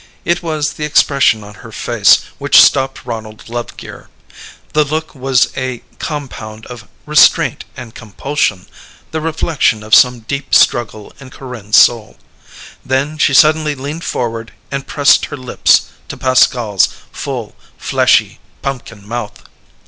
It was the expression on her face which stopped Ronald Lovegear. The look was a compound of restraint and compulsion, the reflection of some deep struggle in Corinne's soul. Then she suddenly leaned forward and pressed her lips to Pascal's full, fleshy pumpkin mouth.